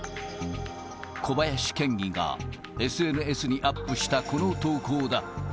小林県議がＳＮＳにアップしたこの投稿だ。